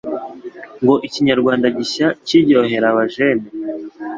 Ngo ikinyarwanda gishya kiryohera abajene